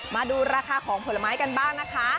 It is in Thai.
มาดูราคาของผลไม้กันบ้างนะคะ